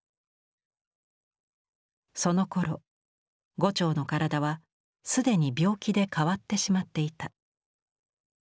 そのころ牛腸の体は既に病気で変わってしまっていた。